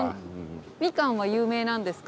ミカンは有名なんですか？